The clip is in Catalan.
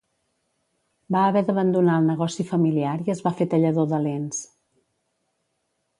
Va haver d'abandonar el negoci familiar i es va fer tallador de lents.